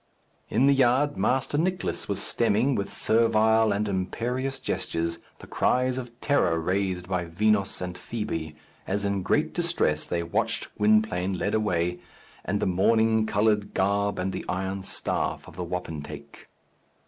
In the yard, Master Nicless was stemming, with servile and imperious gestures, the cries of terror raised by Vinos and Fibi, as in great distress they watched Gwynplaine led away, and the mourning coloured garb and the iron staff of the wapentake.